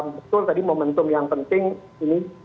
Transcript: betul tadi momentum yang penting ini